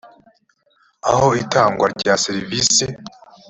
aho itangwa rya serivisi